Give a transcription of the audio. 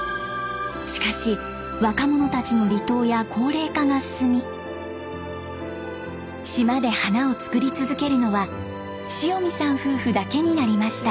しかし若者たちの離島や高齢化が進み島で花を作り続けるのは塩見さん夫婦だけになりました。